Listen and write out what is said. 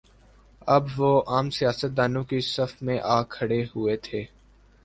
اب وہ عام سیاست دانوں کی صف میں آ کھڑے ہوئے تھے۔